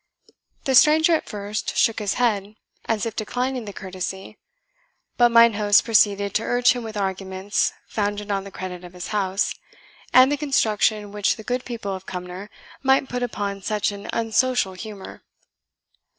The stranger at first shook his head, as if declining the courtesy; but mine host proceeded to urge him with arguments founded on the credit of his house, and the construction which the good people of Cumnor might put upon such an unsocial humour.